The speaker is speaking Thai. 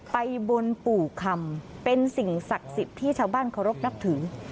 ไปบนปู่คำเป็นสิ่งศักดิ์สิทธิ์ที่ชาวบ้านเคารพนับถือ